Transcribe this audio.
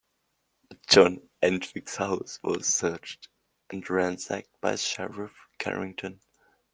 John Entick's house was searched and ransacked by Sherriff Carrington.